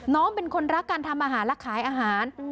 น้องเป็นคนรักการทำอาหารและขายอาหาร